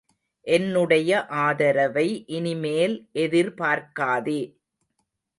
என்னுடைய ஆதரவை இனிமேல் எதிர்பார்க்காதே!